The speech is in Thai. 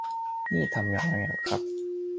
นี่ทำยังไงหรอครับ : ?